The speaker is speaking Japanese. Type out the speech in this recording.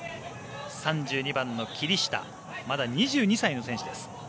３２番の霧下まだ２２歳の選手です。